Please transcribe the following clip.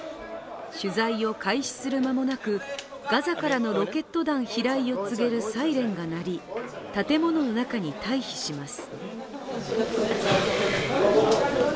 取材を開始する間もなく、ガザからのロケット弾飛来を告げるサイレンが鳴り、建物の中に退避します。